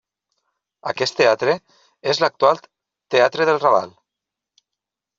Aquest teatre és l'actual Teatre del Raval.